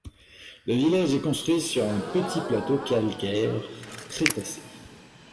Le village est construit sur un petit plateau calcaire crétacé.